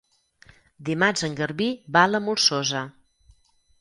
Dimarts en Garbí va a la Molsosa.